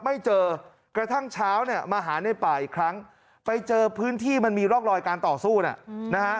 ไม่เจอกระทั่งเช้าเนี่ยมาหาในป่าอีกครั้งไปเจอพื้นที่มันมีร่องรอยการต่อสู้นะฮะ